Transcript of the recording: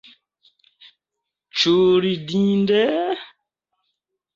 Ĉu ridinde?